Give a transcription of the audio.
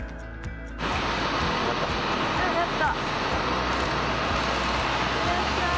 上がった。